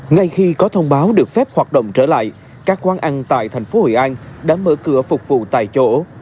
ngay khi có thông báo được phép hoạt động trở lại các quán ăn tại thành phố hội an đã mở cửa phục vụ tại chỗ